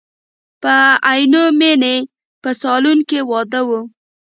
په عینومیني په سالون کې واده و.